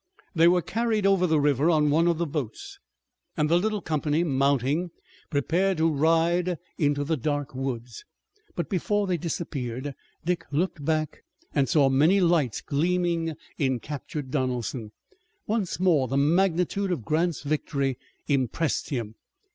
They were carried over the river on one of the boats, and the little company, mounting, prepared to ride into the dark woods. But before they disappeared, Dick looked back and saw many lights gleaming in captured Donelson. Once more the magnitude of Grant's victory impressed him.